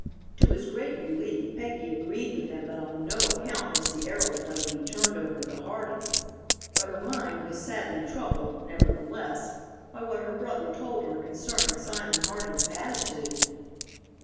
To his great relief Peggy agreed with him that on no account must the aeroplane be turned over to the Hardings, but her mind was sadly troubled, nevertheless, by what her brother told her concerning Simon Harding's attitude.